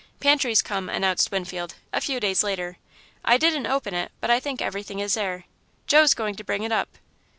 "Pantry's come," announced Winfield, a few days later; "I didn't open it, but I think everything is there. Joe's going to bring it up."